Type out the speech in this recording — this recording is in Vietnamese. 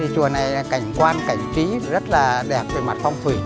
chùa này cảnh quan cảnh trí rất đẹp từ mặt phong thủy